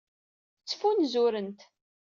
Ttfunzurent.